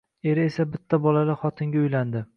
Eri esa bitta bolali xotinga uylandi